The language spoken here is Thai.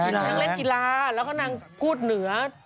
นางเล่นกีฬาแล้วก็นางพูดเหนือ